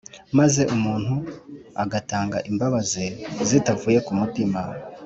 maze umuntu agatanga imbabazi zitavuye kumutima.